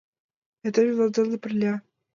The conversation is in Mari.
Айда мемнан дене пырля.